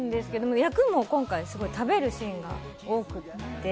役も今回、食べるシーンが多くて。